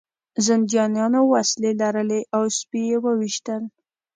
زندانیانو وسلې لرلې او سپي یې وویشتل